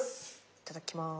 いただきます。